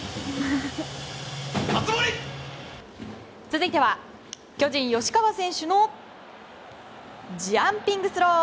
続いては、巨人吉川選手のジャンピングスロー。